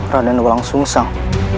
raden walang sungsang